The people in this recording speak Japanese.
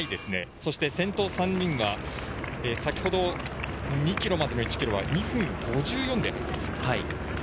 そして先頭３人は先程２ｋｍまでの１ｋｍは２分５４で入っています。